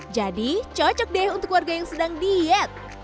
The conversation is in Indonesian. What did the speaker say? jadi cocok deh untuk warga yang sedang diet